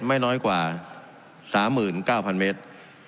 ไม่น้อยกว่า๓๙๐๐เมตร